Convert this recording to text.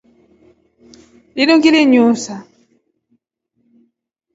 Linu ngili yuusa.